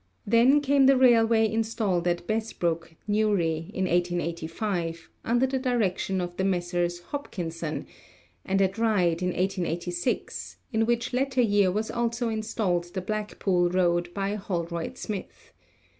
Then came the railway installed at Bessbrook, Newry, in 1885, under the direction of the Messrs. Hopkinson, and at Ryde in 1886, in which latter year was also installed the Blackpool road by Holroyd Smith.